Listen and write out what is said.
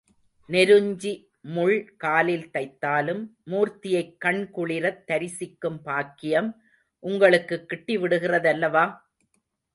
நெருஞ்சி முள் காலில் தைத்தாலும் மூர்த்தியைக் கண் குளிரத் தரிசிக்கும் பாக்கியம் உங்களுக்குக் கிட்டி விடுகிற தல்லவா?